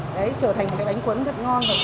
đấy trở thành một cái bánh cuốn thật ngon thật khỏe